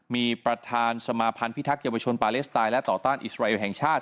มีประธานสมาพันธ์พิทักษ์เยาวชนปาเลสไตน์และต่อต้านอิสราเอลแห่งชาติ